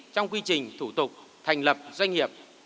trong quy trình thủ tục thành lập doanh nghiệp